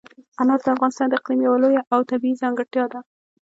انار د افغانستان د اقلیم یوه بله لویه او طبیعي ځانګړتیا ده.